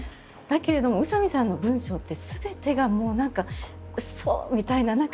だけれども宇佐見さんの文章ってすべてがもう何か「そう！」みたいな。